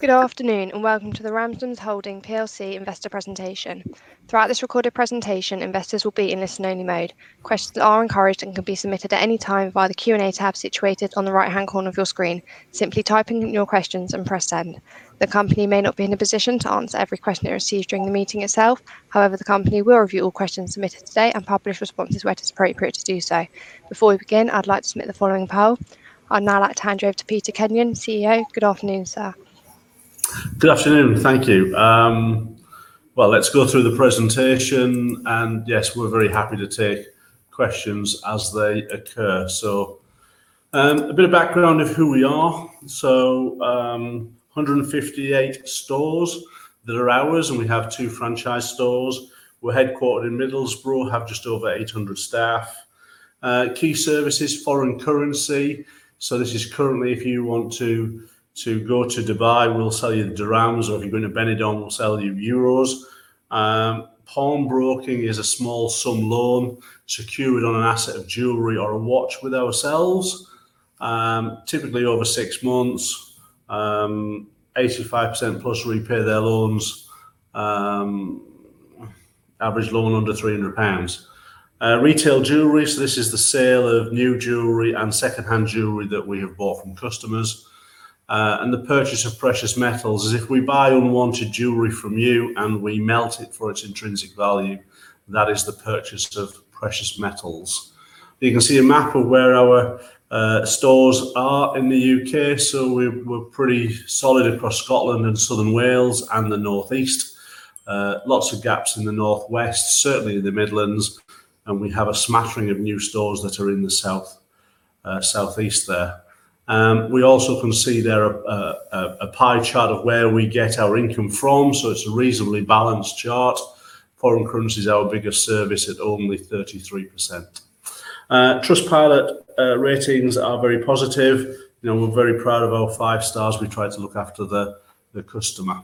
Good afternoon and welcome to the Ramsdens Holdings PLC investor presentation. Throughout this recorded presentation, investors will be in listen only mode. Questions are encouraged and can be submitted at any time via the Q&A tab situated on the right-hand corner of your screen. Simply type in your questions and press send. The company may not be in a position to answer every question it receives during the meeting itself. However, the company will review all questions submitted today and publish responses where it is appropriate to do so. Before we begin, I'd like to submit the following poll. I'd now like to hand you over to Peter Kenyon, CEO. Good afternoon, sir. Good afternoon. Thank you. Well, let's go through the presentation and yes, we're very happy to take questions as they occur. A bit of background of who we are. 158 stores that are ours, and we have two franchise stores. We're headquartered in Middlesbrough, have just over 800 staff. Key services, foreign currency. This is currently if you want to go to Dubai, we'll sell you the dirhams, or if you're going to Benidorm, we'll sell you euros. Pawnbroking is a small sum loan secured on an asset of jewelry or a watch with ourselves. Typically over six months. 85%+ repay their loans. Average loan under 300 pounds. Retail jewelry. This is the sale of new jewelry and secondhand jewelry that we have bought from customers. The purchase of precious metals is if we buy unwanted jewelry from you and we melt it for its intrinsic value, that is the purchase of precious metals. You can see a map of where our stores are in the U.K. We're pretty solid across Scotland and South Wales and the Northeast. Lots of gaps in the northwest, certainly in the Midlands. We have a smattering of new stores that are in the south southeast there. We also can see there a pie chart of where we get our income from. It's a reasonably balanced chart. Foreign currency is our biggest service at only 33%. Trustpilot ratings are very positive. You know, we're very proud of our five stars. We try to look after the customer.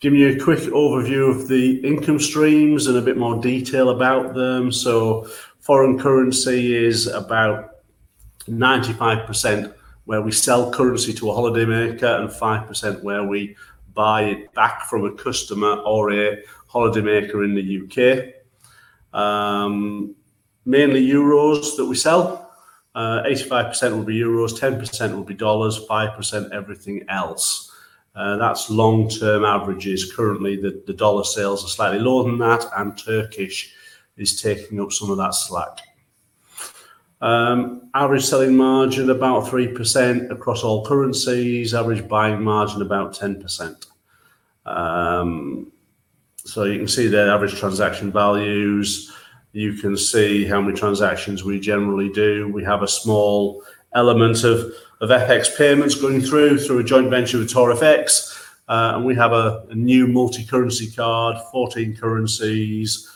give you a quick overview of the income streams and a bit more detail about them. Foreign currency is about 95% where we sell currency to a holidaymaker and 5% where we buy it back from a customer or a holidaymaker in the UK. Mainly euros that we sell. 85% will be euros, 10% will be dollars, 5% everything else. That's long term averages. Currently, the dollar sales are slightly lower than that, and Turkish is taking up some of that slack. Average selling margin about 3% across all currencies. Average buying margin about 10%. You can see there average transaction values. You can see how many transactions we generally do. We have a small element of FX payments going through a joint venture with TorFX. We have a new multicurrency card, 14 currencies,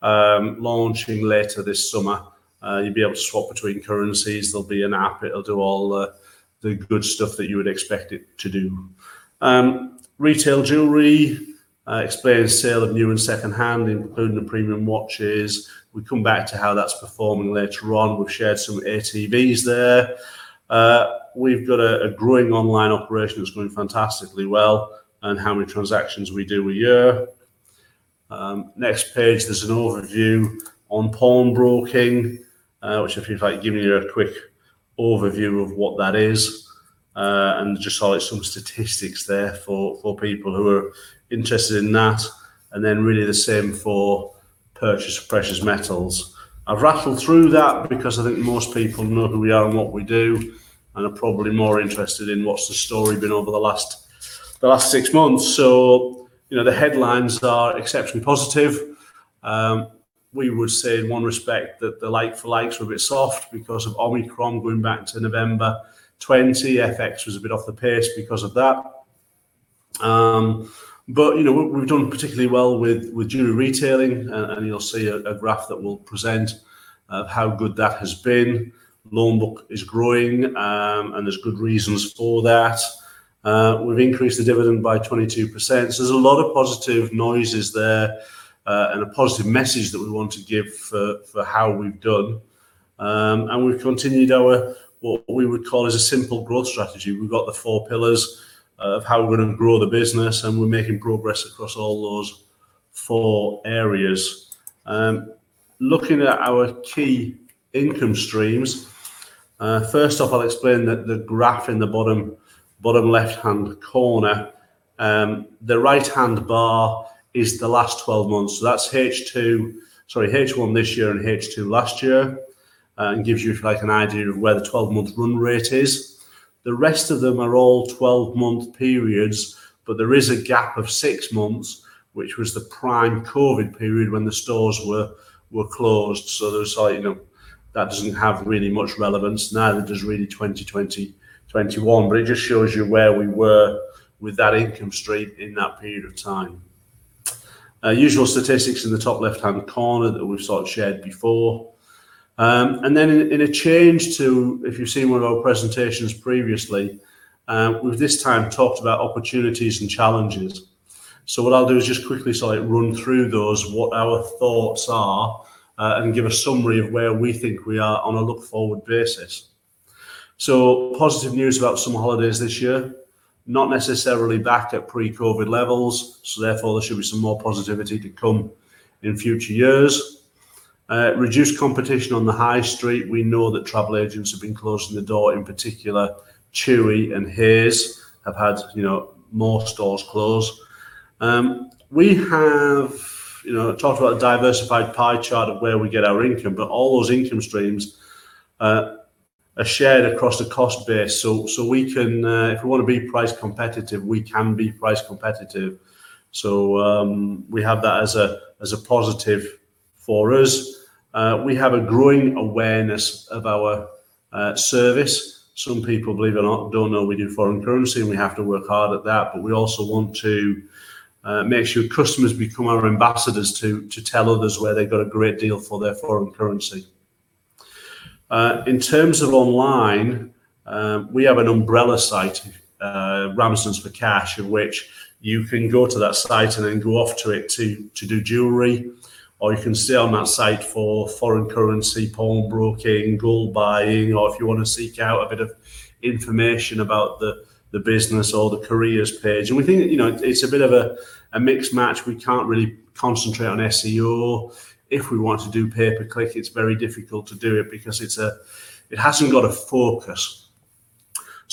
launching later this summer. You'll be able to swap between currencies. There'll be an app. It'll do all the good stuff that you would expect it to do. Retail jewelry explains sale of new and secondhand, including the premium watches. We come back to how that's performing later on. We've shared some ATVs there. We've got a growing online operation that's going fantastically well and how many transactions we do a year. Next page, there's an overview on pawnbroking, which if you like giving you a quick overview of what that is, and just highlight some statistics there for people who are interested in that. Then really the same for purchase of precious metals. I've rattled through that because I think most people know who we are and what we do and are probably more interested in what's the story been over the last six months. You know, the headlines are exceptionally positive. We would say in one respect that the like for likes were a bit soft because of Omicron going back to November 2020. FX was a bit off the pace because of that. You know, we've done particularly well with jewelry retailing and you'll see a graph that we'll present of how good that has been. Loan book is growing, and there's good reasons for that. We've increased the dividend by 22%. There's a lot of positive noises there, and a positive message that we want to give for how we've done. We've continued our what we would call is a simple growth strategy. We've got the four pillars of how we're gonna grow the business, and we're making progress across all those four areas. Looking at our key income streams. First off, I'll explain the graph in the bottom left-hand corner. The right-hand bar is the last 12 months. So that's H1 this year and H2 last year. It gives you like an idea of where the 12-month run rate is. The rest of them are all 12-month periods, but there is a gap of six months, which was the prime COVID period when the stores were closed. So there's like, you know, that doesn't have really much relevance now that it's really 2021. It just shows you where we were with that income stream in that period of time. Usual statistics in the top left-hand corner that we've sort of shared before. In a change to, if you've seen one of our presentations previously, we've this time talked about opportunities and challenges. What I'll do is just quickly sort of run through those, what our thoughts are, and give a summary of where we think we are on a look-forward basis. Positive news about summer holidays this year, not necessarily back at pre-COVID levels, so therefore there should be some more positivity to come in future years. Reduced competition on the high street. We know that travel agents have been closing their doors, in particular TUI and Hays have had, you know, more stores close. We have, you know, talked about a diversified pie chart of where we get our income, but all those income streams are shared across the cost base. We can, if we want to be price competitive, we can be price competitive. We have that as a positive for us. We have a growing awareness of our service. Some people, believe it or not, don't know we do foreign currency, and we have to work hard at that. We also want to make sure customers become our ambassadors to tell others where they've got a great deal for their foreign currency. In terms of online, we have an umbrella site, Ramsdens for Cash, in which you can go to that site and then go off to it to do jewelry, or you can stay on that site for foreign currency, pawnbroking, gold buying, or if you want to seek out a bit of information about the business or the careers page. We think, you know, it's a bit of a mixed match. We can't really concentrate on SEO. If we want to do pay-per-click, it's very difficult to do it because it hasn't got a focus.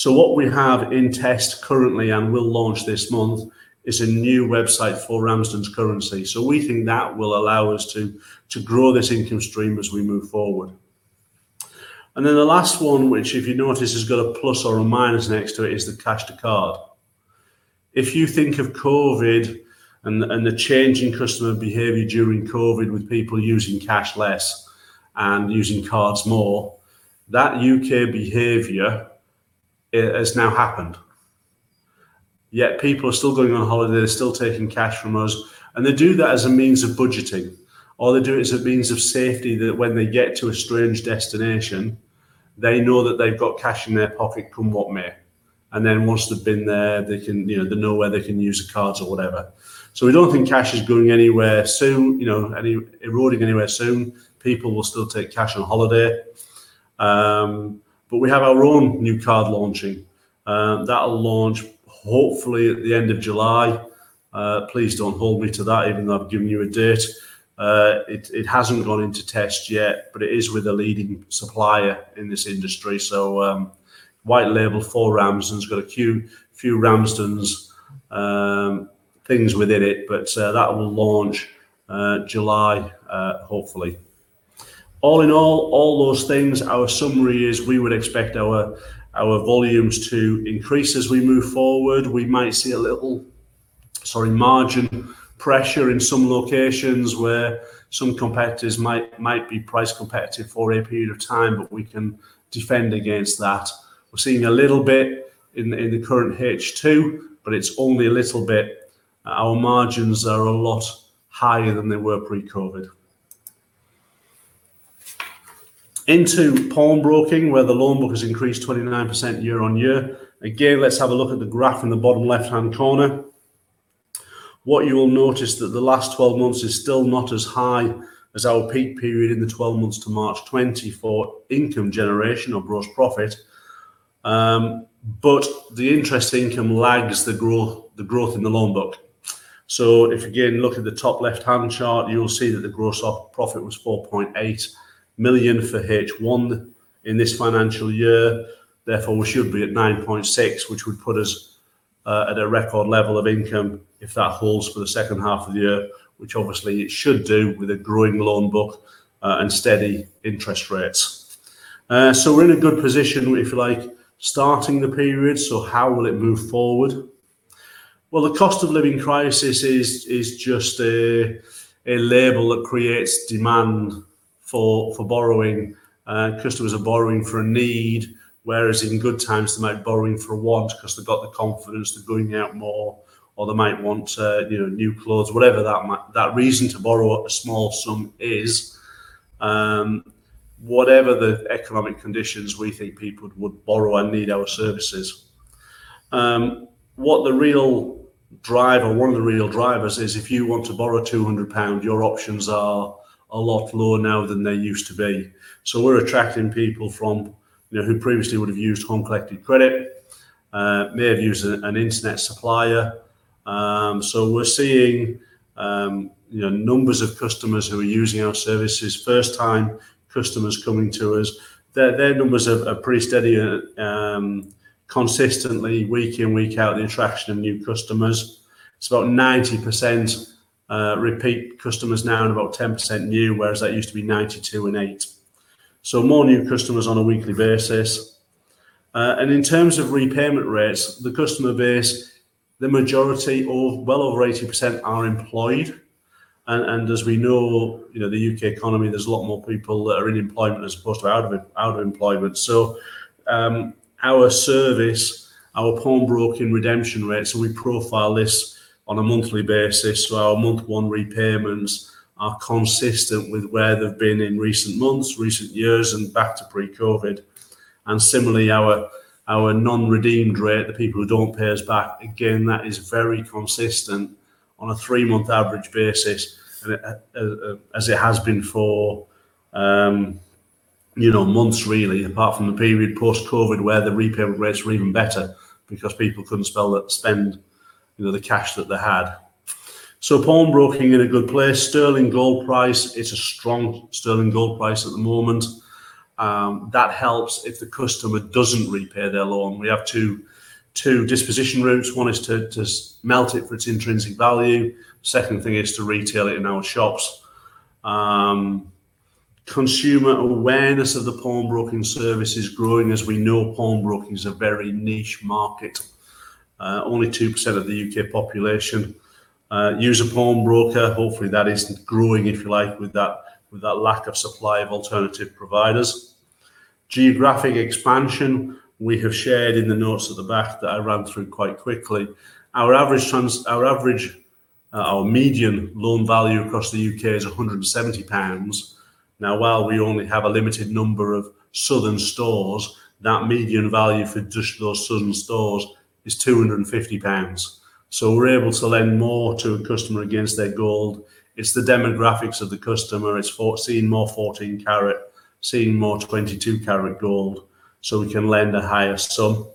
What we have in test currently, and will launch this month, is a new website for Ramsdens Currency. We think that will allow us to grow this income stream as we move forward. Then the last one, which if you notice has got a plus or a minus next to it, is the cash to card. If you think of COVID and the change in customer behavior during COVID with people using cash less and using cards more, that U.K. behavior, it has now happened. Yet people are still going on holiday, they're still taking cash from us, and they do that as a means of budgeting, or they do it as a means of safety that when they get to a strange destination, they know that they've got cash in their pocket, come what may. Once they've been there, they can, you know, they know where they can use the cards or whatever. We don't think cash is going anywhere soon, you know, any eroding anywhere soon. People will still take cash on holiday. We have our own new card launching, that'll launch hopefully at the end of July. Please don't hold me to that, even though I've given you a date. It hasn't gone into test yet, but it is with a leading supplier in this industry. White label for Ramsdens. Got a few Ramsdens things within it, but that will launch July hopefully. All in all those things, our summary is we would expect our volumes to increase as we move forward. We might see a little, sorry, margin pressure in some locations where some competitors might be price competitive for a period of time, but we can defend against that. We're seeing a little bit in the current H2, but it's only a little bit. Our margins are a lot higher than they were pre-COVID in pawnbroking, where the loan book has increased 29% year-on-year. Again, let's have a look at the graph in the bottom left-hand corner. What you will notice that the last 12 months is still not as high as our peak period in the 12 months to March 2020 for income generation or gross profit. But the interest income lags the growth in the loan book. If you, again, look at the top left-hand chart, you'll see that the gross profit was 4.8 million for H1 in this financial year. Therefore, we should be at 9.6, which would put us at a record level of income if that holds for the second half of the year, which obviously it should do with a growing loan book and steady interest rates. We're in a good position, if you like, starting the period. How will it move forward? Well, the cost of living crisis is just a label that creates demand for borrowing. Customers are borrowing for a need, whereas in good times they might be borrowing for a want because they've got the confidence, they're going out more, or they might want, you know, new clothes, whatever that reason to borrow a small sum is. Whatever the economic conditions, we think people would borrow and need our services. What the real driver, one of the real drivers is if you want to borrow 200 pound, your options are a lot lower now than they used to be. We're attracting people from, you know, who previously would have used home collected credit, may have used an internet supplier. We're seeing, you know, numbers of customers who are using our services, first time customers coming to us. Their numbers are pretty steady and consistently week in, week out, the attraction of new customers. It's about 90% repeat customers now and about 10% new, whereas that used to be 92% and 8%. More new customers on a weekly basis. In terms of repayment rates, the customer base, the majority or well over 80% are employed. As we know, you know, the UK economy, there's a lot more people that are in employment as opposed to out of employment. Our service, our pawnbroking redemption rates, we profile this on a monthly basis. Our month one repayments are consistent with where they've been in recent months, recent years, and back to pre-COVID. Similarly, our non-redeemed rate, the people who don't pay us back, again, that is very consistent on a three-month average basis, and as it has been for, you know, months really, apart from the period post-COVID where the repayment rates were even better because people couldn't spend, you know, the cash that they had. Pawnbroking in a good place. Sterling gold price, it's a strong sterling gold price at the moment. That helps if the customer doesn't repay their loan. We have two disposition routes. One is to melt it for its intrinsic value. Second thing is to retail it in our shops. Consumer awareness of the pawnbroking service is growing. As we know, pawnbroking is a very niche market. Only 2% of the U.K. population use a pawnbroker. Hopefully, that is growing, if you like, with that lack of supply of alternative providers. Geographic expansion, we have shared in the notes at the back that I ran through quite quickly. Our median loan value across the U.K. is 170 pounds. Now, while we only have a limited number of southern stores, that median value for just those southern stores is 250 pounds. We're able to lend more to a customer against their gold. It's the demographics of the customer. It's seeing more 14 karat, seeing more 22 karat gold, so we can lend a higher sum.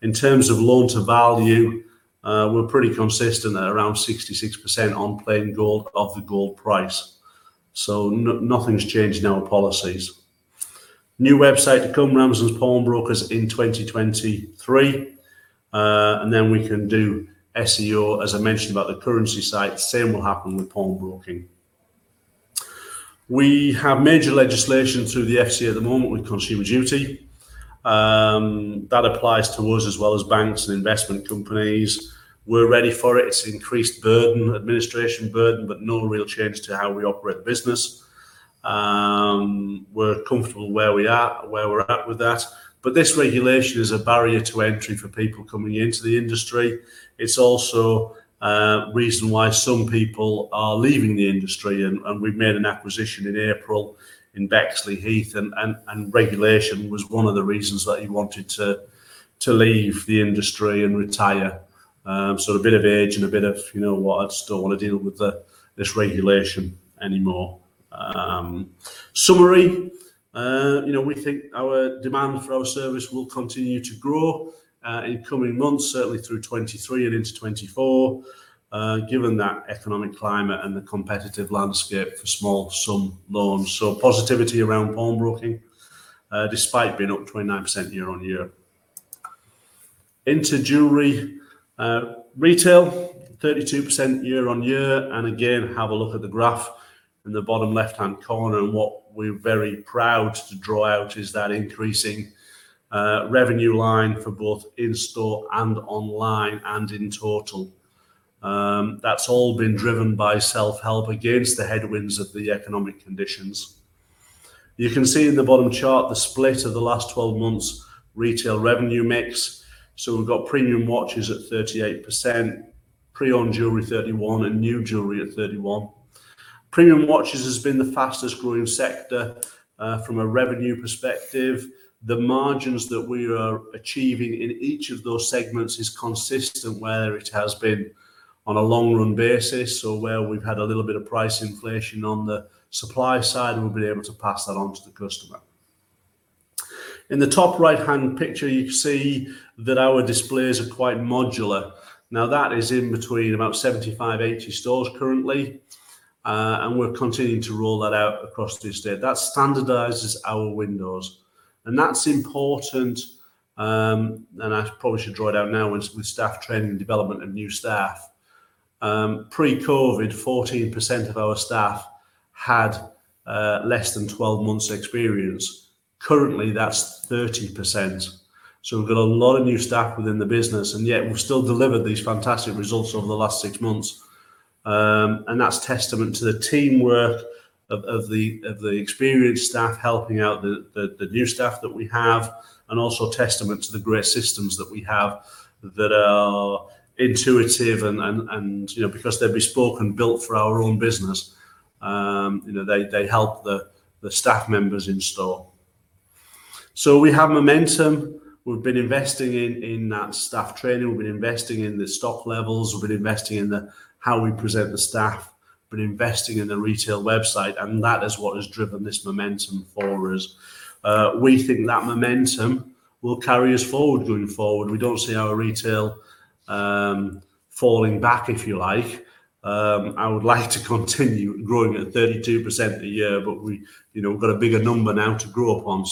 In terms of loan-to-value, we're pretty consistent at around 66% on plain gold of the gold price. Nothing's changed in our policies. New website to come, Ramsdens Pawnbrokers, in 2023. Then we can do SEO, as I mentioned, about the currency site. Same will happen with pawnbroking. We have major legislation through the FCA at the moment with Consumer Duty. That applies to us as well as banks and investment companies. We're ready for it. It's increased burden, administration burden, but no real change to how we operate the business. We're comfortable where we are, where we're at with that. This regulation is a barrier to entry for people coming into the industry. It's also a reason why some people are leaving the industry. We've made an acquisition in April in Bexleyheath, and regulation was one of the reasons that he wanted to leave the industry and retire. A bit of age and a bit of, you know what? I just don't want to deal with this regulation anymore. Summary, you know, we think our demand for our service will continue to grow in coming months, certainly through 2023 and into 2024, given that economic climate and the competitive landscape for small sum loans. Positivity around pawnbroking, despite being up 29% year-on-year. Into jewelry. Retail, 32% year-on-year. Again, have a look at the graph in the bottom left-hand corner. What we're very proud to draw out is that increasing revenue line for both in-store and online and in total. That's all been driven by self-help against the headwinds of the economic conditions. You can see in the bottom chart the split of the last 12 months retail revenue mix. We've got premium watches at 38%, pre-owned jewelry 31, and new jewelry at 31. Premium watches has been the fastest growing sector from a revenue perspective. The margins that we are achieving in each of those segments is consistent where it has been on a long run basis, or where we've had a little bit of price inflation on the supply side, and we've been able to pass that on to the customer. In the top right-hand picture, you can see that our displays are quite modular. Now, that is in between about 75-80 stores currently. We're continuing to roll that out across the estate. That standardizes our windows. That's important, and I probably should draw it out now with staff training and development of new staff. Pre-COVID, 14% of our staff had less than 12 months experience. Currently, that's 30%. We've got a lot of new staff within the business, and yet we've still delivered these fantastic results over the last 6 months. That's testament to the teamwork of the experienced staff helping out the new staff that we have, and also a testament to the great systems that we have that are intuitive and, you know, because they're bespoke and built for our own business, you know, they help the staff members in-store. We have momentum. We've been investing in that staff training. We've been investing in the stock levels. We've been investing in how we present the staff. We've been investing in the retail website, and that is what has driven this momentum for us. We think that momentum will carry us forward going forward. We don't see our retail falling back, if you like. I would like to continue growing at 32% a year, but we, you know, we've got a bigger number now to grow up on.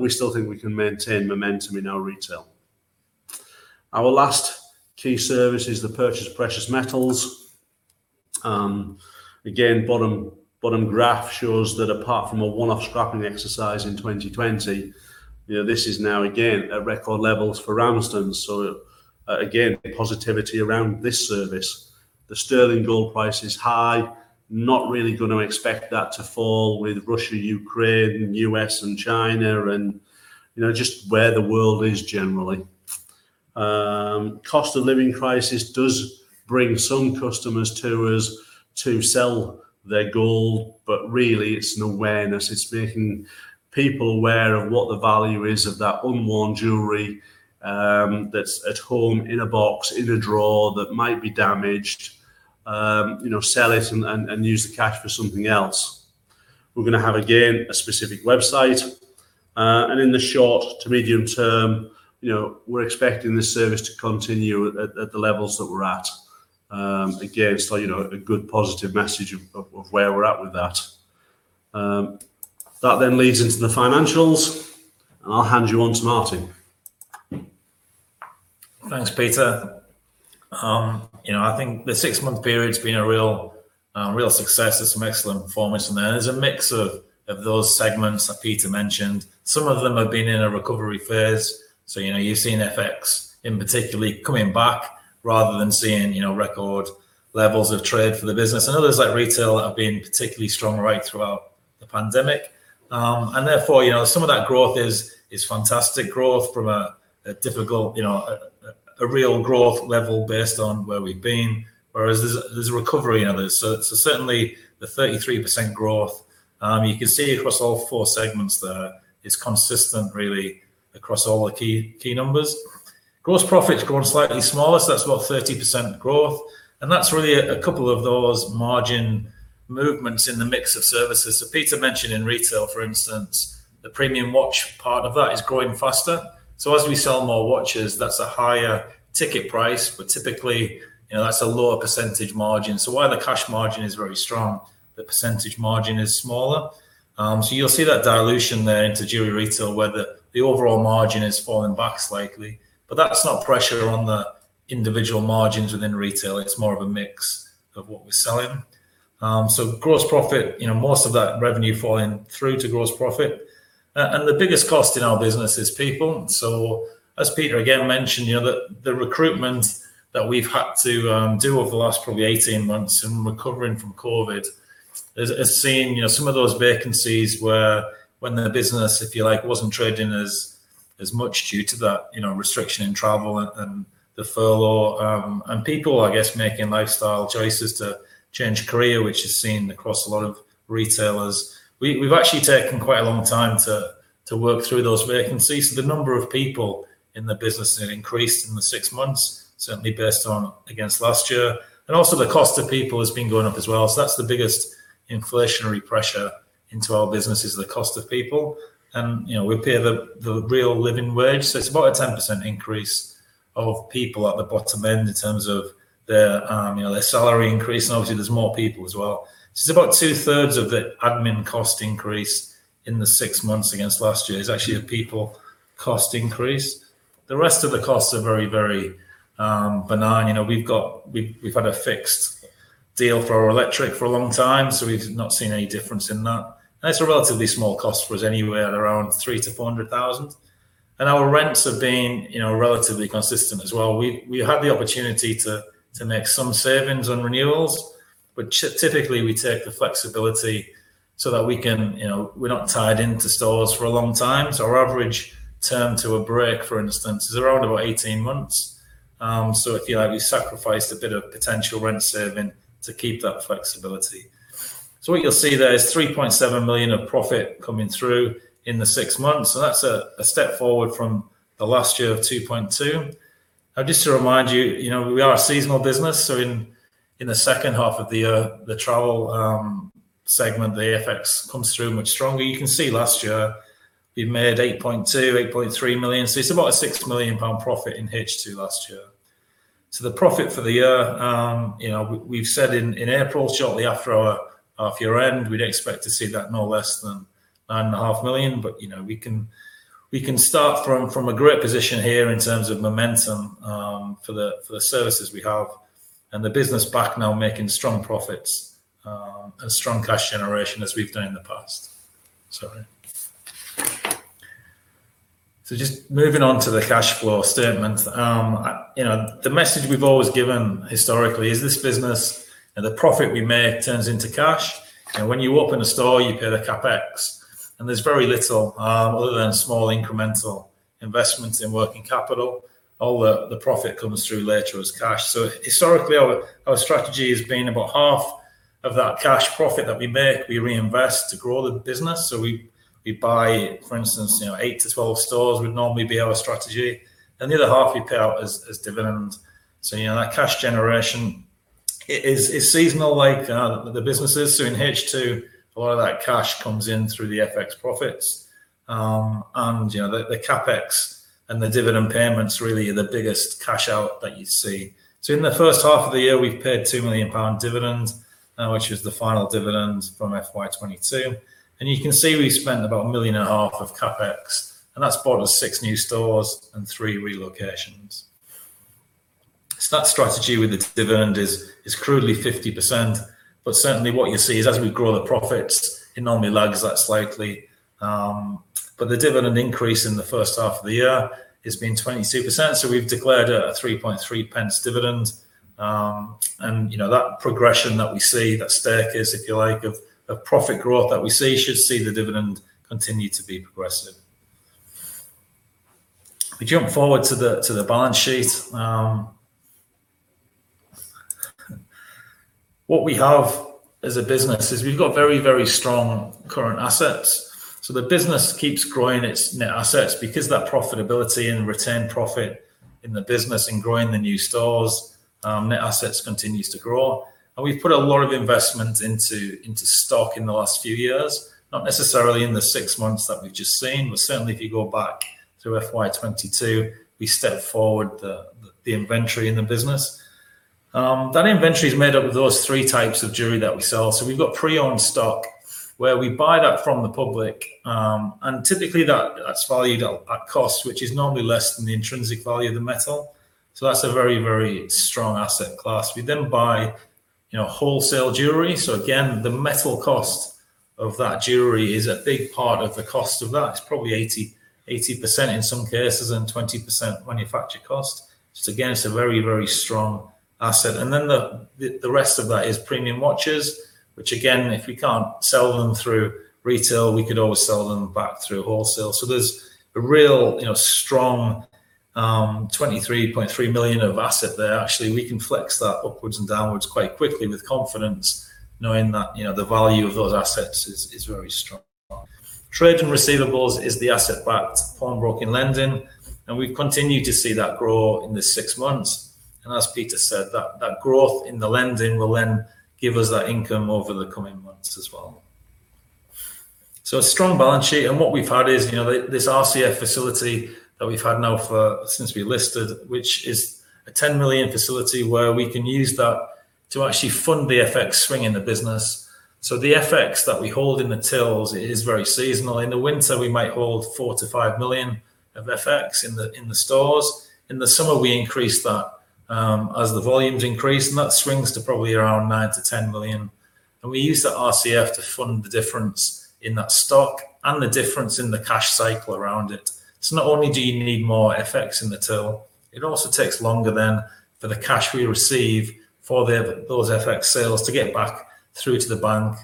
We still think we can maintain momentum in our retail. Our last key service is the purchase of precious metals. Again, bottom graph shows that apart from a one-off scrapping exercise in 2020, you know, this is now again at record levels for Ramsdens. Again, positivity around this service. The sterling gold price is high. Not really gonna expect that to fall with Russia, Ukraine, U.S. and China and, you know, just where the world is generally. Cost of living crisis does bring some customers to us to sell their gold, but really it's an awareness. It's making people aware of what the value is of that unworn jewelry that's at home in a box, in a drawer that might be damaged. You know, sell it and use the cash for something else. We're gonna have, again, a specific website. In the short to medium term, you know, we're expecting this service to continue at the levels that we're at. Again, you know, a good positive message of where we're at with that. That then leads into the financials, and I'll hand over to Martin. Thanks, Peter. You know, I think the 6-month period's been a real success with some excellent performance from there. There's a mix of those segments that Peter mentioned. Some of them have been in a recovery phase, so you know, you've seen FX in particular coming back rather than seeing you know, record levels of trade for the business. Others like retail have been particularly strong right throughout the pandemic. Therefore, you know, some of that growth is fantastic growth from a difficult you know, a real growth level based on where we've been, whereas there's a recovery in others. Certainly the 33% growth you can see across all 4 segments there is consistent really across all the key numbers. Gross profit's grown slightly smaller, so that's about 30% growth, and that's really a couple of those margin movements in the mix of services. Peter mentioned in retail, for instance, the premium watch part of that is growing faster. As we sell more watches, that's a higher ticket price, but typically, you know, that's a lower percentage margin. While the cash margin is very strong, the percentage margin is smaller. You'll see that dilution there into jewelry retail where the overall margin is falling back slightly. That's not pressure on the individual margins within retail, it's more of a mix of what we're selling. Gross profit, you know, most of that revenue falling through to gross profit. The biggest cost in our business is people. As Peter again mentioned, you know, the recruitment that we've had to do over the last probably 18 months in recovering from COVID has seen, you know, some of those vacancies where when the business, if you like, wasn't trading as much due to that, you know, restriction in travel and the furlough, and people, I guess, making lifestyle choices to change career, which is seen across a lot of retailers. We've actually taken quite a long time to work through those vacancies. The number of people in the business has increased in the six months, certainly based on against last year. Also the cost of people has been going up as well. That's the biggest inflationary pressure into our business is the cost of people. You know, we pay the real living wage, so it's about a 10% increase of people at the bottom end in terms of their, you know, their salary increase, and obviously there's more people as well. It's about two-thirds of the admin cost increase in the six months against last year is actually a people cost increase. The rest of the costs are very, very benign. You know, we've had a fixed deal for our electric for a long time, so we've not seen any difference in that. It's a relatively small cost for us, anywhere around 300,000-400,000. Our rents have been, you know, relatively consistent as well. We had the opportunity to make some savings on renewals, but typically, we take the flexibility so that we can, you know, we're not tied into stores for a long time. Our average term to a break, for instance, is around about 18 months. If you like, we sacrificed a bit of potential rent saving to keep that flexibility. What you'll see there is 3.7 million of profit coming through in the six months, so that's a step forward from the last year of 2.2. Now just to remind you know, we are a seasonal business, in the second half of the year, the travel segment, the FX comes through much stronger. You can see last year we made 8.2, 8.3 million. It's about a 6 million pound profit in H2 last year. The profit for the year, you know, we've said in April, shortly after our year end, we'd expect to see that no less than 9.5 million. You know, we can start from a great position here in terms of momentum, for the services we have and the business back now making strong profits, as strong cash generation as we've done in the past. Sorry. Just moving on to the cash flow statement. You know, the message we've always given historically is this business and the profit we make turns into cash. When you open a store, you pay the CapEx. There's very little other than small incremental investments in working capital. All the profit comes through later as cash. Historically, our strategy has been about half of that cash profit that we make, we reinvest to grow the business. We buy, for instance, you know, 8-12 stores would normally be our strategy. The other half we pay out as dividends. You know, that cash generation is seasonal like the business is. In H2, a lot of that cash comes in through the FX profits. You know, the CapEx and the dividend payments really are the biggest cash out that you see. In the first half of the year, we've paid 2 million pound dividend, which is the final dividend from FY 2022. You can see we spent about 1.5 million of CapEx, and that's bought us 6 new stores and 3 relocations. That strategy with the dividend is crudely 50%. Certainly what you see is as we grow the profits, it normally lags that slightly. The dividend increase in the first half of the year has been 22%, so we've declared a 3.3 pence dividend. You know, that progression that we see, that staircase if you like, of profit growth that we see should see the dividend continue to be progressive. If we jump forward to the balance sheet, what we have as a business is we've got very, very strong current assets. The business keeps growing its net assets because that profitability and return profit in the business and growing the new stores, net assets continues to grow. We've put a lot of investment into stock in the last few years, not necessarily in the six months that we've just seen, but certainly if you go back through FY 2022, we stepped forward the inventory in the business. That inventory is made up of those three types of jewelry that we sell. We've got pre-owned stock where we buy that from the public, and typically that's valued at cost, which is normally less than the intrinsic value of the metal. That's a very, very strong asset class. We then buy, you know, wholesale jewelry. Again, the metal cost of that jewelry is a big part of the cost of that. It's probably 80% in some cases and 20% manufacture cost. Again, it's a very strong asset. Then the rest of that is premium watches, which again, if we can't sell them through retail, we could always sell them back through wholesale. There's a real, you know, strong 23.3 million of asset there. Actually, we can flex that upwards and downwards quite quickly with confidence knowing that, you know, the value of those assets is very strong. Trade and receivables is the asset-backed pawnbroking lending, and we've continued to see that grow in the six months. As Peter said, that growth in the lending will then give us that income over the coming months as well. A strong balance sheet, and what we've had is, you know, this RCF facility that we've had now for since we listed, which is a 10 million facility where we can use that to actually fund the FX swing in the business. The FX that we hold in the tills is very seasonal. In the winter, we might hold 4-5 million of FX in the stores. In the summer, we increase that, as the volumes increase, and that swings to probably around 9-10 million. We use that RCF to fund the difference in that stock and the difference in the cash cycle around it. Not only do you need more FX in the till, it also takes longer then for the cash we receive for those FX sales to get back through to the bank,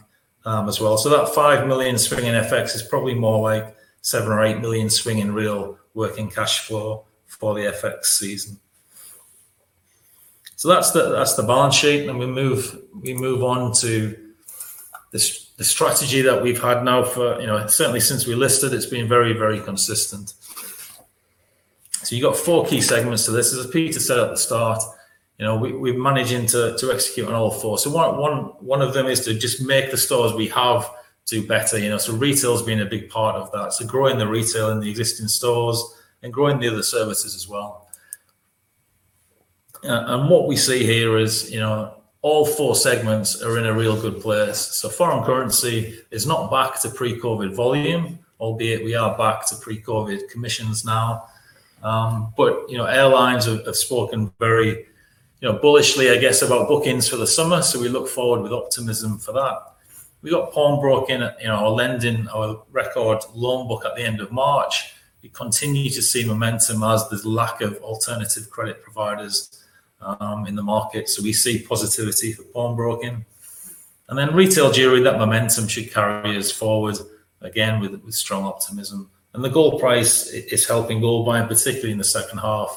as well. That 5 million swing in FX is probably more like 7 or 8 million swing in real working cash flow for the FX season. That's the balance sheet, and we move on to the strategy that we've had now for, you know, certainly since we listed. It's been very consistent. You've got four key segments to this. As Peter said at the start, you know, we're managing to execute on all four. One of them is to just make the stores we have do better, you know. Retail's been a big part of that. Growing the retail in the existing stores and growing the other services as well. And what we see here is, you know, all four segments are in a real good place. Foreign currency is not back to pre-COVID volume, albeit we are back to pre-COVID commissions now. You know, airlines have spoken very, you know, bullishly, I guess, about bookings for the summer, so we look forward with optimism for that. We got pawbrokering at, you know, our lending, our record loan book at the end of March. We continue to see momentum as there's lack of alternative credit providers in the market. We see positivity for pawn brokering. Then retail jewelry, that momentum should carry us forward again with strong optimism. The gold price is helping gold buying, particularly in the second half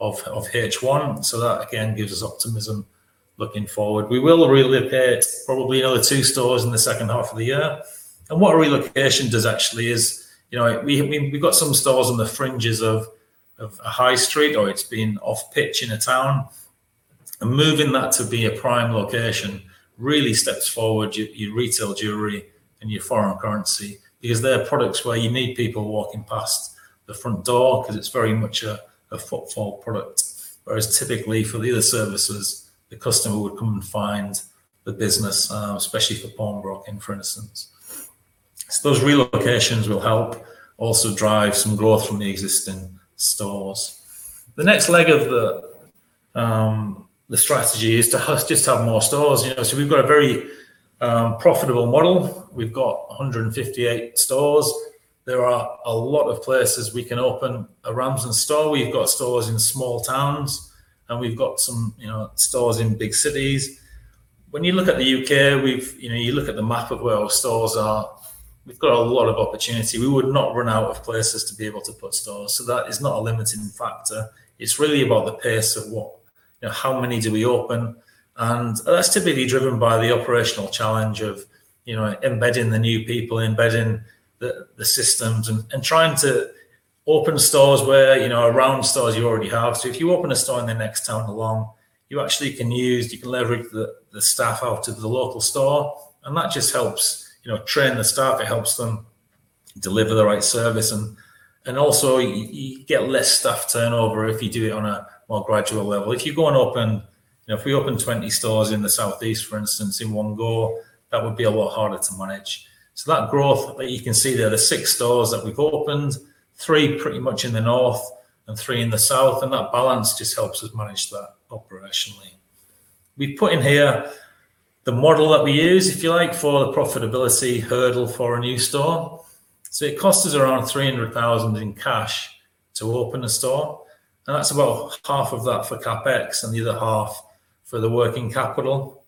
of H1, so that again gives us optimism looking forward. We will relocate probably another two stores in the second half of the year. What a relocation does actually is, you know, we, I mean, we've got some stores on the fringes of a high street or it's been off-pitch in a town, and moving that to be a prime location really steps forward your retail jewelry and your foreign currency because they're products where you need people walking past the front door because it's very much a footfall product. Whereas typically for the other services, the customer would come and find the business, especially for pawnbroking, for instance. Those relocations will help also drive some growth from the existing stores. The next leg of the strategy is to have just have more stores, you know. We've got a very profitable model. We've got 158 stores. There are a lot of places we can open a Ramsdens store. We've got stores in small towns, and we've got some, you know, stores in big cities. When you look at the U.K., we've, you know, you look at the map of where our stores are, we've got a lot of opportunity. We would not run out of places to be able to put stores. So that is not a limiting factor. It's really about the pace of what, you know, how many do we open? And that's typically driven by the operational challenge of, you know, embedding the new people, embedding the systems and trying to open stores where, you know, around stores you already have. If you open a store in the next town along, you actually can use, you can leverage the staff out of the local store and that just helps, you know, train the staff, it helps them deliver the right service and also you get less staff turnover if you do it on a more gradual level. If you go and open, you know, if we open 20 stores in the Southeast, for instance, in one go, that would be a lot harder to manage. That growth, you can see there the six stores that we've opened, three pretty much in the North and three in the South, and that balance just helps us manage that operationally. We put in here the model that we use, if you like, for the profitability hurdle for a new store. It costs us around 300,000 in cash to open a store, and that's about half of that for CapEx and the other half for the working capital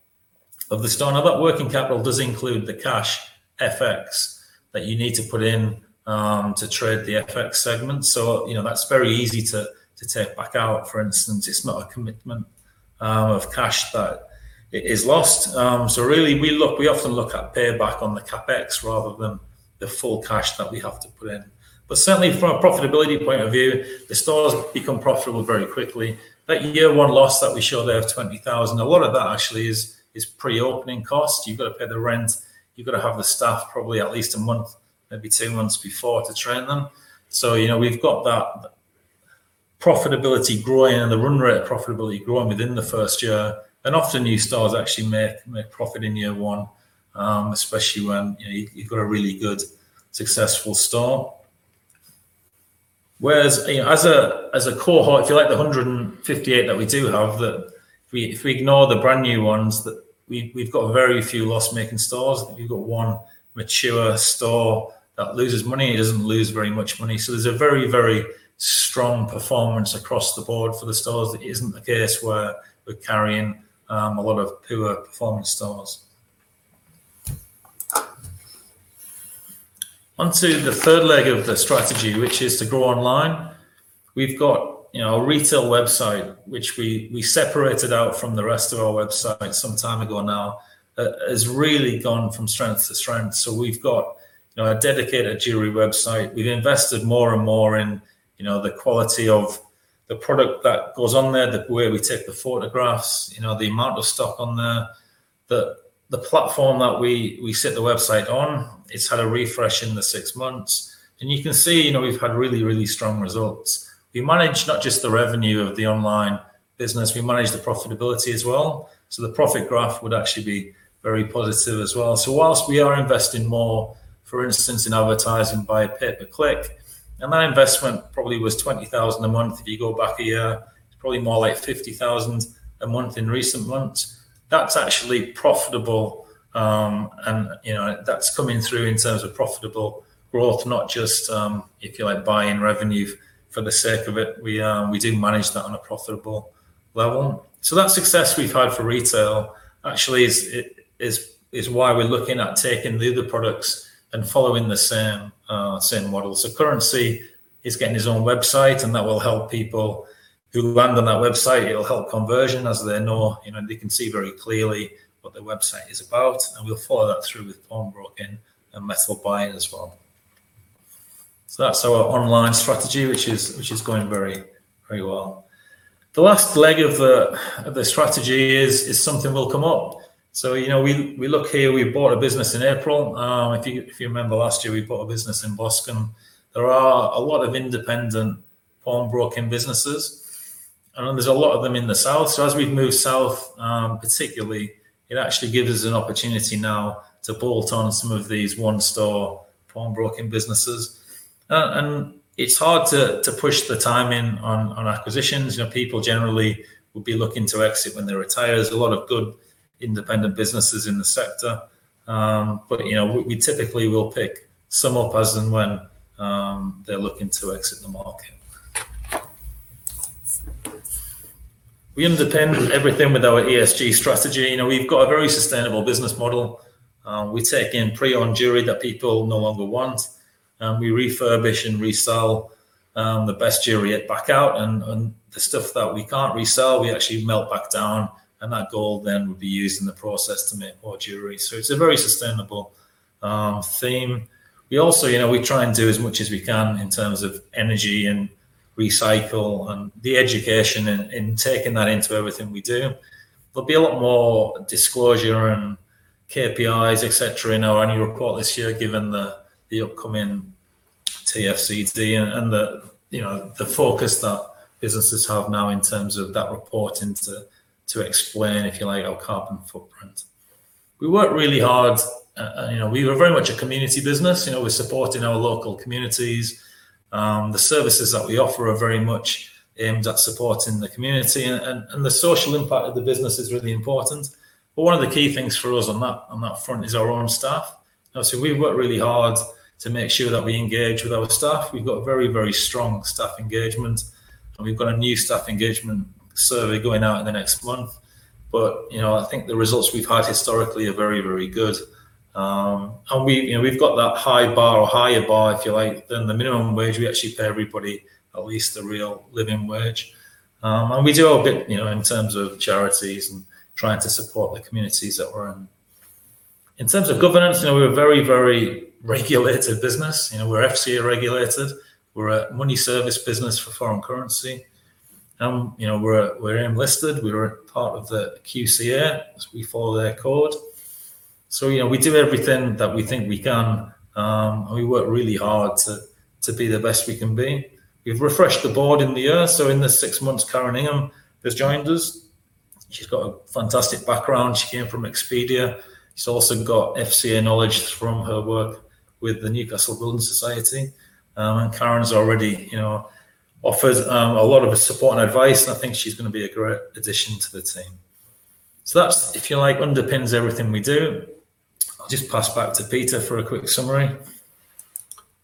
of the store. Now, that working capital does include the cash FX that you need to put in to trade the FX segment. You know, that's very easy to take back out. For instance, it's not a commitment of cash that is lost. Really we often look at payback on the CapEx rather than the full cash that we have to put in. Certainly from a profitability point of view, the stores become profitable very quickly. That year one loss that we showed there of 20,000, a lot of that actually is pre-opening cost. You've got to pay the rent, you've got to have the staff probably at least a month, maybe two months before to train them. You know, we've got that profitability growing and the run rate profitability growing within the first year. Often new stores actually make profit in year one, especially when, you know, you've got a really good successful start. Whereas, you know, as a cohort, if you like, the 158 that we do have, that if we ignore the brand new ones, we've got very few loss-making stores. If you've got one mature store that loses money, it doesn't lose very much money. There's a very, very strong performance across the board for the stores. That isn't the case where we're carrying a lot of poor performing stores. On to the third leg of the strategy, which is to grow online. We've got, you know, a retail website, which we separated out from the rest of our website some time ago now, has really gone from strength to strength. We've got, you know, a dedicated jewelry website. We've invested more and more in, you know, the quality of the product that goes on there. The way we take the photographs, you know, the amount of stock on there. The platform that we sit the website on, it's had a refresh in the six months, and you can see, you know, we've had really, really strong results. We manage not just the revenue of the online business, we manage the profitability as well. The profit graph would actually be very positive as well. While we are investing more, for instance, in advertising by pay-per-click, and that investment probably was 20,000 a month, if you go back a year, it's probably more like 50,000 a month in recent months. That's actually profitable. You know, that's coming through in terms of profitable growth, not just, if you like, buying revenue for the sake of it. We do manage that on a profitable level. That success we've had for retail actually is why we're looking at taking the other products and following the same model. Currency is getting its own website, and that will help people who land on that website. It'll help conversion as they know, you know, they can see very clearly what the website is about, and we'll follow that through with pawnbroking and metal buying as well. That's our online strategy, which is going very, very well. The last leg of the strategy is something will come up. You know, we look here, we bought a business in April. If you remember last year, we bought a business in Boscombe. There are a lot of independent pawnbroking businesses, and there's a lot of them in the south. As we've moved south, particularly it actually gives us an opportunity now to bolt on some of these one-store pawnbroking businesses. It's hard to push the timing on acquisitions. You know, people generally will be looking to exit when they retire. There's a lot of good independent businesses in the sector. You know, we typically will pick some up as and when they're looking to exit the market. We underpin everything with our ESG strategy. You know, we've got a very sustainable business model. We take in pre-owned jewelry that people no longer want, and we refurbish and resell the best jewelry back out. The stuff that we can't resell, we actually melt back down, and that gold then would be used in the process to make more jewelry. It's a very sustainable theme. We also, you know, we try and do as much as we can in terms of energy and recycle and the education in taking that into everything we do. There'll be a lot more disclosure and KPIs, et cetera, in our annual report this year, given the upcoming TCFD and, you know, the focus that businesses have now in terms of that reporting to explain, if you like, our carbon footprint. We work really hard. You know, we are very much a community business. You know, we're supporting our local communities. The services that we offer are very much aimed at supporting the community and the social impact of the business is really important. One of the key things for us on that front is our own staff. We work really hard to make sure that we engage with our staff. We've got a very strong staff engagement, and we've got a new staff engagement survey going out in the next month. You know, I think the results we've had historically are very, very good. We, you know, we've got that high bar or higher bar, if you like, than the minimum wage. We actually pay everybody at least the real living wage. We do our bit, you know, in terms of charities and trying to support the communities that we're in. In terms of governance, you know, we're a very, very regulated business. You know, we're FCA regulated. We're a money service business for foreign currency. You know, we're AIM listed. We're part of the QCA, so we follow their code. You know, we do everything that we think we can. We work really hard to be the best we can be. We've refreshed the board in the year, so in the six months Karen Ingham has joined us. She's got a fantastic background. She came from Expedia. She's also got FCA knowledge from her work with the Newcastle Building Society. Karen's already, you know, offered a lot of support and advice, and I think she's gonna be a great addition to the team. That's, if you like, underpins everything we do. I'll just pass back to Peter for a quick summary.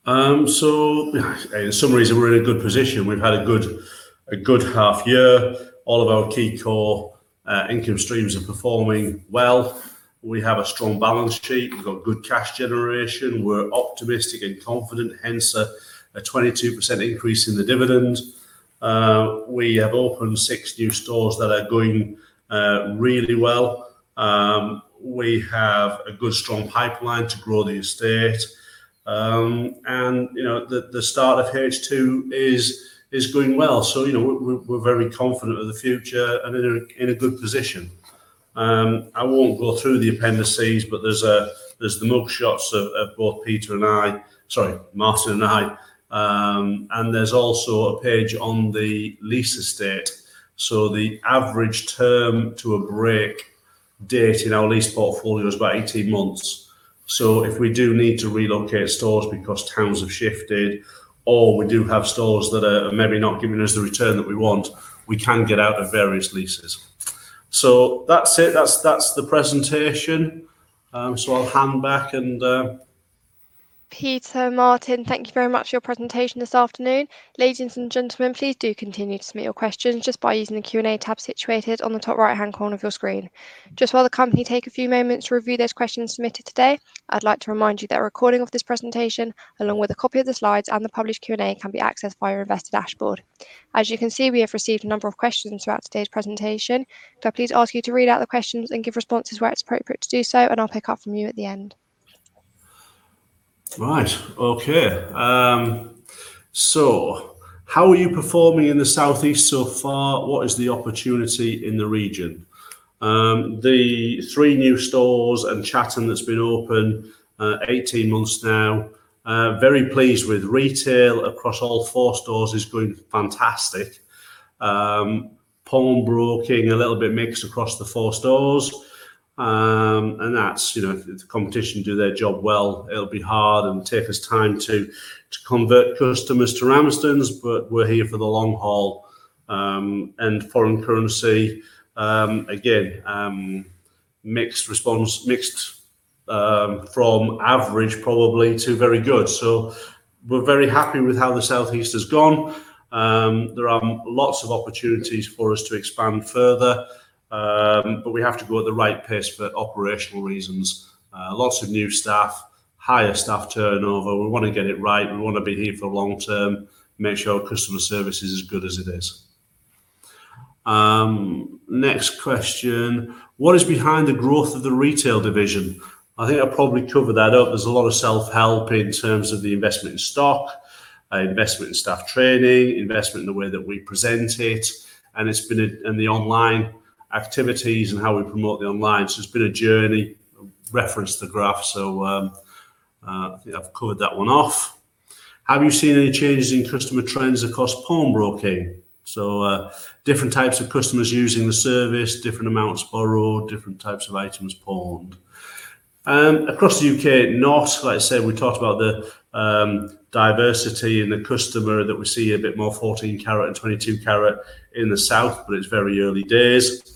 In summary, we're in a good position. We've had a good half year. All of our key core income streams are performing well. We have a strong balance sheet. We've got good cash generation. We're optimistic and confident, hence a 22% increase in the dividend. We have opened six new stores that are going really well. We have a good strong pipeline to grow the estate. You know, the start of H2 is going well. You know, we're very confident of the future and in a good position. I won't go through the appendices, but there's the mugshots of both Peter and I. Sorry, Martin and I. There's also a page on the lease estate. The average term to a break date in our lease portfolio is about 18 months. If we do need to relocate stores because towns have shifted, or we do have stores that are maybe not giving us the return that we want, we can get out of various leases. That's it. That's the presentation. I'll hand back and Peter, Martin, thank you very much for your presentation this afternoon. Ladies and gentlemen, please do continue to submit your questions just by using the Q&A tab situated on the top right-hand corner of your screen. Just while the company take a few moments to review those questions submitted today, I'd like to remind you that a recording of this presentation, along with a copy of the slides and the published Q&A, can be accessed via your investor dashboard. As you can see, we have received a number of questions throughout today's presentation. Could I please ask you to read out the questions and give responses where it's appropriate to do so, and I'll pick up from you at the end. Right. Okay. So how are you performing in the Southeast so far? What is the opportunity in the region? The three new stores in Chatham that's been open 18 months now. Very pleased with retail across all four stores is going fantastic. Pawnbroking, a little bit mixed across the four stores. That's, you know, if the competition do their job well, it'll be hard and take us time to convert customers to Ramsdens, but we're here for the long haul. Foreign currency, again, mixed response. Mixed, from average probably to very good. We're very happy with how the Southeast has gone. There are lots of opportunities for us to expand further, but we have to go at the right pace for operational reasons. Lots of new staff, higher staff turnover. We wanna get it right. We wanna be here for long term, make sure our customer service is as good as it is. Next question. What is behind the growth of the retail division? I think I probably covered that up. There's a lot of self-help in terms of the investment in stock, investment in staff training, investment in the way that we present it, and the online activities and how we promote the online. It's been a journey. I think I've covered that one off. Have you seen any changes in customer trends across pawnbroking? Different types of customers using the service, different amounts borrowed, different types of items pawned. Across the UK, not. Like I said, we talked about the diversity in the customer that we see a bit more 14-carat and 22-carat in the South, but it's very early days.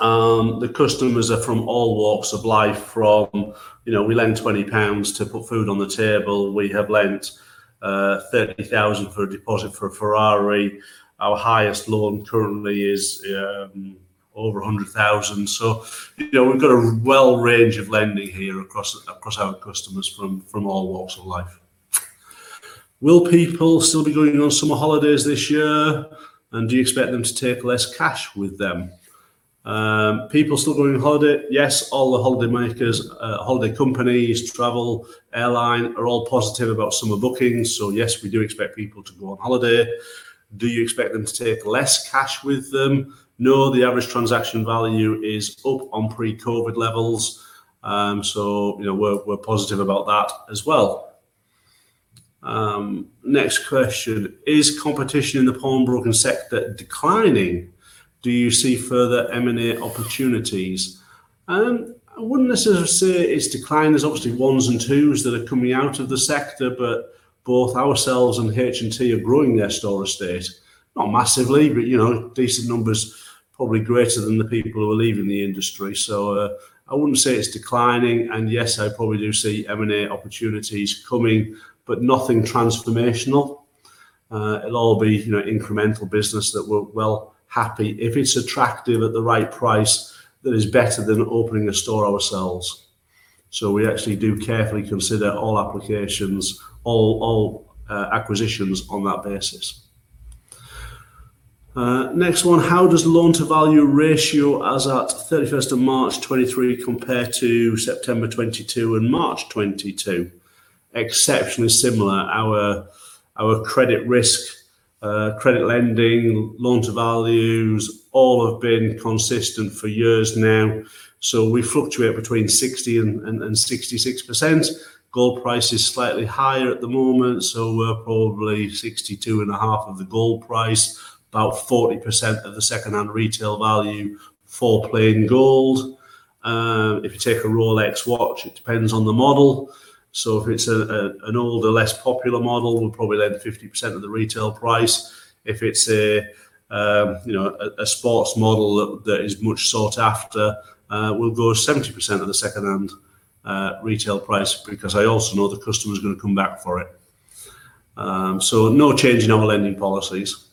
The customers are from all walks of life, from, you know, we lend 20 pounds to put food on the table. We have lent 30,000 for a deposit for a Ferrari. Our highest loan currently is over 100,000. So, you know, we've got a wide range of lending here across our customers from all walks of life. Will people still be going on summer holidays this year? Do you expect them to take less cash with them? People still going on holiday? Yes, all the holiday makers, holiday companies, travel, airlines are all positive about summer bookings. So yes, we do expect people to go on holiday. Do you expect them to take less cash with them? No. The average transaction value is up on pre-COVID levels. You know, we're positive about that as well. Next question. Is competition in the pawnbroking sector declining? Do you see further M&A opportunities? I wouldn't necessarily say it's declining. There's obviously ones and twos that are coming out of the sector, but both ourselves and H&T are growing their store estate. Not massively, but you know, decent numbers probably greater than the people who are leaving the industry. I wouldn't say it's declining. Yes, I probably do see M&A opportunities coming, but nothing transformational. It'll all be, you know, incremental business that we're well happy. If it's attractive at the right price, that is better than opening a store ourselves. We actually do carefully consider all applications, acquisitions on that basis. Next one. How does loan-to-value ratio as at 31 March 2023 compare to September 2022 and March 2022? Exceptionally similar. Our credit risk, credit lending, loan-to-values, all have been consistent for years now. We fluctuate between 60% and 66%. Gold price is slightly higher at the moment, so we're probably 62.5% of the gold price. About 40% of the secondhand retail value for plain gold. If you take a Rolex watch, it depends on the model. If it's an older, less popular model, we'll probably lend 50% of the retail price. If it's a you know a sports model that is much sought after, we'll go 70% of the secondhand retail price because I also know the customer's gonna come back for it. No change in our lending policies.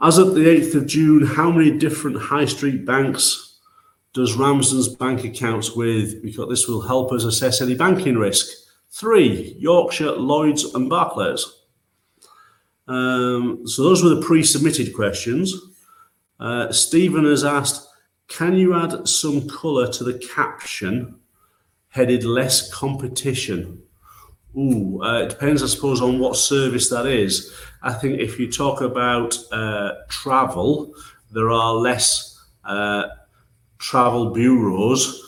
As of the eighth of June, how many different high street banks does Ramsdens bank accounts with? Because this will help us assess any banking risk. Three, Yorkshire, Lloyds, and Barclays. Those were the pre-submitted questions. Stephen has asked, "Can you add some color to the caption headed less competition?" It depends, I suppose, on what service that is. I think if you talk about travel, there are less travel bureaus.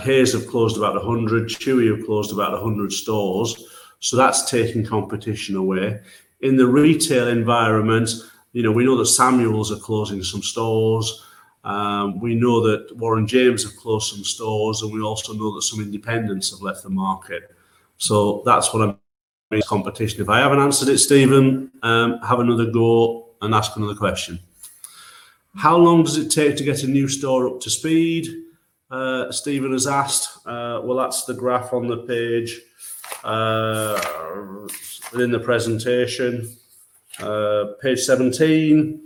Hays have closed about 100, TUI have closed about 100 stores, so that's taking competition away. In the retail environment, you know, we know that H. Samuel are closing some stores. We know that Warren James have closed some stores, and we also know that some independents have left the market. That's what I'm saying competition. If I haven't answered it, Stephen, have another go and ask another question. How long does it take to get a new store up to speed? Stephen has asked. Well, that's the graph on the page within the presentation. Page 17.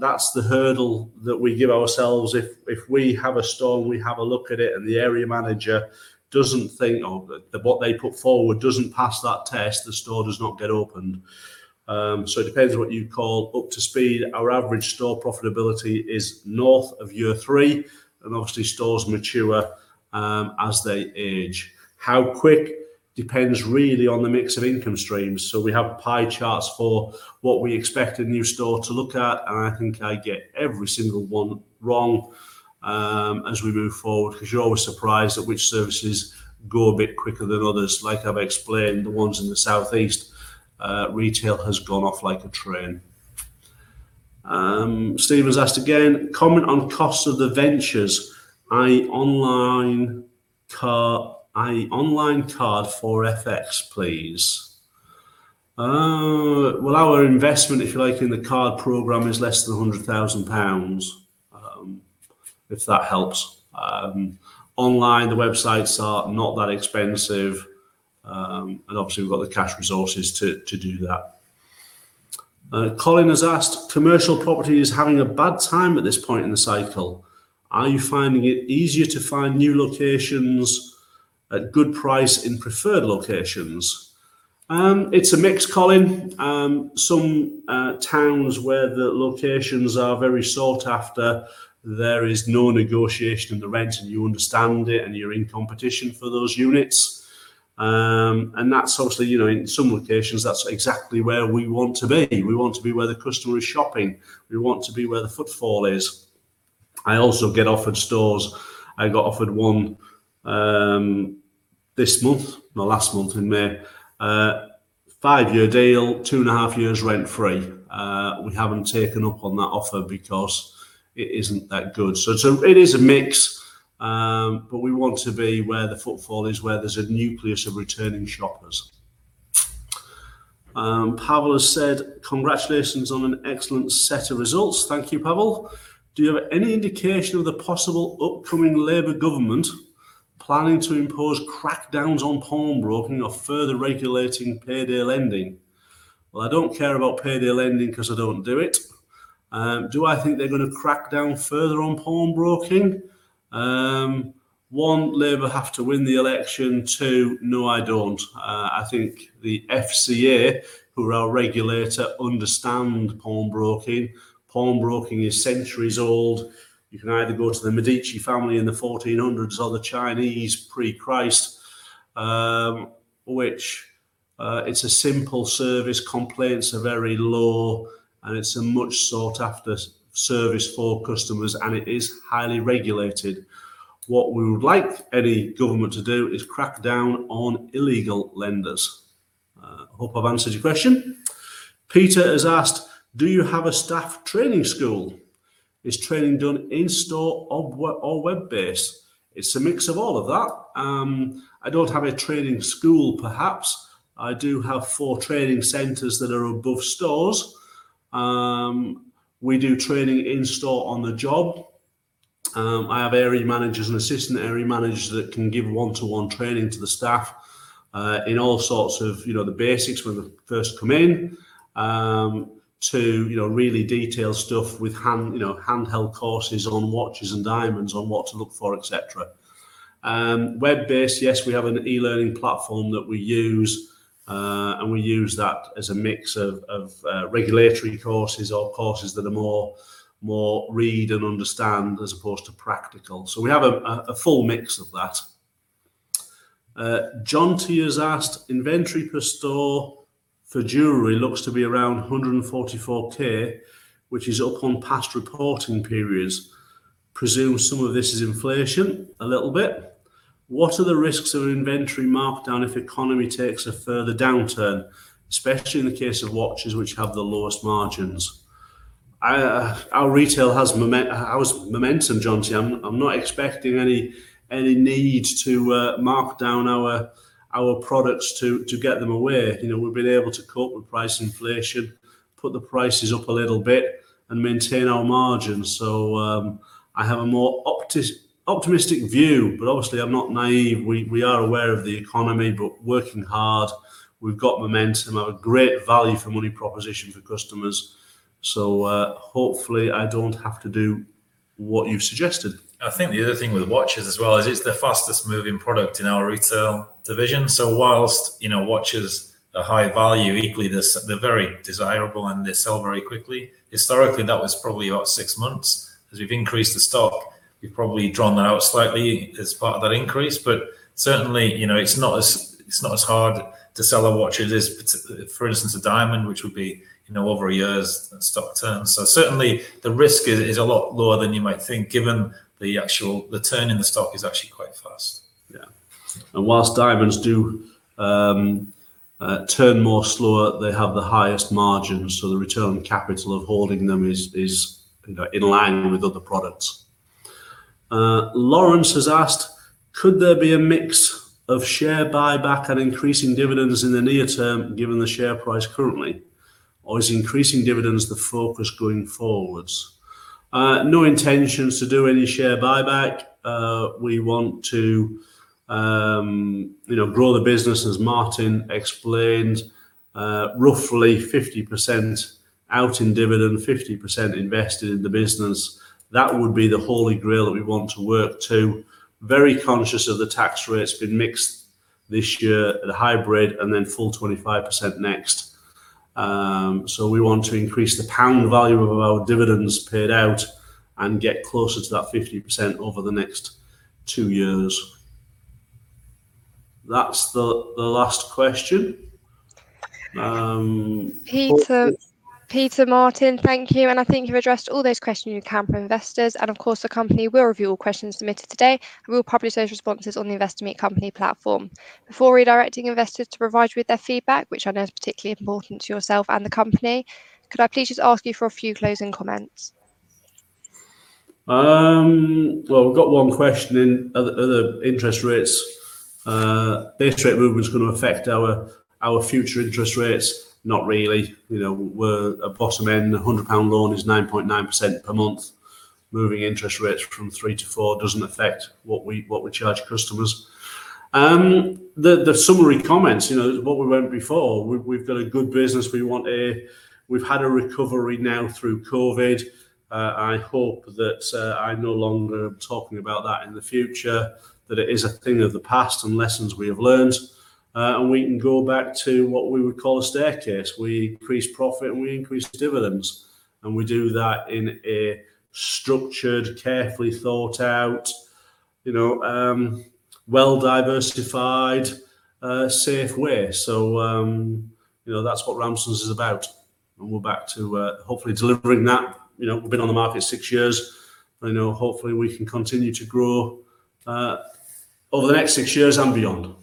That's the hurdle that we give ourselves. If we have a store and we have a look at it, and the area manager doesn't think or that what they put forward doesn't pass that test, the store does not get opened. It depends what you call up to speed. Our average store profitability is north of year three, and obviously stores mature as they age. How quick depends really on the mix of income streams. We have pie charts for what we expect a new store to look at, and I think I get every single one wrong as we move forward because you're always surprised at which services go a bit quicker than others. Like I've explained, the ones in the southeast, retail has gone off like a train. Stephen has asked again, "Comment on cost of the ventures, i.e. online card for FX, please." Well, our investment, if you like, in the card program is less than 100,000 pounds, if that helps. Online, the websites are not that expensive, and obviously we've got the cash resources to do that. Colin has asked, "Commercial property is having a bad time at this point in the cycle. Are you finding it easier to find new locations at good price in preferred locations?" It's a mix, Colin. Some towns where the locations are very sought after, there is no negotiation in the rent, and you understand it, and you're in competition for those units. That's obviously, you know, in some locations, that's exactly where we want to be. We want to be where the customer is shopping. We want to be where the footfall is. I also get offered stores. I got offered one this month, well last month in May. 5-year deal, 2.5 years rent-free. We haven't taken up on that offer because it isn't that good. It is a mix, but we want to be where the footfall is, where there's a nucleus of returning shoppers. Pavel has said, "Congratulations on an excellent set of results." Thank you, Pavel. "Do you have any indication of the possible upcoming Labour government planning to impose crackdowns on pawnbroking or further regulating payday lending?" Well, I don't care about payday lending 'cause I don't do it. Do I think they're gonna crack down further on pawnbroking? One, Labour have to win the election. Two, no, I don't. I think the FCA, who are our regulator, understand pawnbroking. Pawnbroking is centuries old. You can either go to the Medici family in the fourteen hundreds or the Chinese pre-Christ. Which, it's a simple service, complaints are very low, and it's a much sought-after service for customers, and it is highly regulated. What we would like any government to do is crack down on illegal lenders. Hope I've answered your question. Peter has asked, "Do you have a staff training school? Is training done in-store or web, or web-based?" It's a mix of all of that. I don't have a training school, perhaps. I do have four training centers that are above stores. We do training in-store on the job. I have area managers and assistant area managers that can give one-to-one training to the staff, in all sorts of, you know, the basics when they first come in, to, you know, really detailed stuff with hand, you know, handheld courses on watches and diamonds on what to look for, et cetera. Web-based, yes. We have an e-learning platform that we use, and we use that as a mix of regulatory courses or courses that are more read and understand as opposed to practical. We have a full mix of that. Jonty has asked, "Inventory per store for jewelry looks to be around 144K, which is up on past reporting periods. Presume some of this is inflation?" A little bit. "What are the risks of an inventory markdown if economy takes a further downturn, especially in the case of watches which have the lowest margins?" Our retail has momentum. How is momentum, Jonty. I'm not expecting any need to mark down our products to get them away. You know, we've been able to cope with price inflation, put the prices up a little bit, and maintain our margins. I have a more optimistic view, but obviously I'm not naive. We are aware of the economy, but working hard. We've got momentum. A great value for money proposition for customers. Hopefully I don't have to do what you've suggested. I think the other thing with watches as well is it's the fastest moving product in our retail division. While, you know, watches are high value, equally they're very desirable, and they sell very quickly. Historically, that was probably about six months. As we've increased the stock, we've probably drawn that out slightly as part of that increase, but certainly, you know, it's not as hard to sell a watch as it is for instance, a diamond, which would be, you know, over a year's stock turn. Certainly, the risk is a lot lower than you might think, given the actual turn in the stock is actually quite fast. While diamonds do turn more slower, they have the highest margins, so the return on capital of holding them is, you know, in line with other products. Lawrence has asked, could there be a mix of share buyback and increasing dividends in the near term, given the share price currently, or is increasing dividends the focus going forward? No intentions to do any share buyback. We want to, you know, grow the business, as Martin explained. Roughly 50% out in dividend, 50% invested in the business. That would be the holy grail that we want to work to. Very conscious of the tax rate. It's been mixed this year at a hybrid and then full 25% next. We want to increase the pound value of our dividends paid out and get closer to that 50% over the next two years. That's the last question. Peter, Martin, thank you, and I think you've addressed all those questions you can for investors, and of course, the company will review all questions submitted today, and we'll publish those responses on the Investor Meet Company platform. Before redirecting investors to provide you with their feedback, which I know is particularly important to yourself and the company, could I please just ask you for a few closing comments? Well, we've got one question on other interest rates. Base rate movement's gonna affect our future interest rates. Not really, you know, we're a bottom-end. A 100 pound loan is 9.9% per month. Moving interest rates from 3% to 4% doesn't affect what we charge customers. The summary comments, you know, what we went before. We've got a good business. We've had a recovery now through COVID. I hope that I'm no longer talking about that in the future, that it is a thing of the past and lessons we have learned. We can go back to what we would call a staircase. We increase profit, and we increase dividends, and we do that in a structured, carefully thought out, you know, well-diversified, safe way. You know, that's what Ramsdens is about, and we're back to hopefully delivering that. You know, we've been on the market six years. I know hopefully we can continue to grow over the next six years and beyond.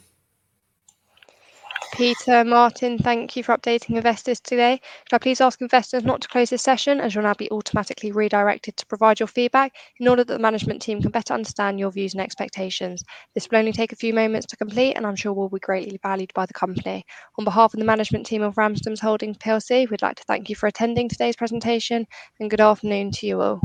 Peter, Martin, thank you for updating investors today. Could I please ask investors not to close this session, as you'll now be automatically redirected to provide your feedback in order that the management team can better understand your views and expectations. This will only take a few moments to complete and I'm sure will be greatly valued by the company. On behalf of the management team of Ramsdens Holdings PLC, we'd like to thank you for attending today's presentation, and good afternoon to you all.